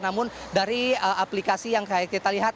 namun dari aplikasi yang kita lihat